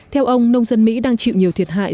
theo ông nông dân mỹ đang chịu nhiều thiệt hại